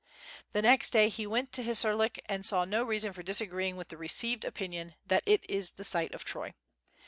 _The next day he went to Hissarlik and saw no reason for disagreeing with the received opinion that it is the site of Troy_.